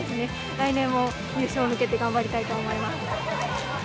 来年も優勝に向けて頑張りたいと思います。